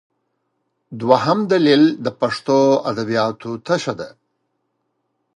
دویم دلیل د پښتو ادبیاتو تشه ده.